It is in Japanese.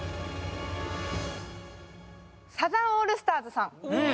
サザンオールスターズ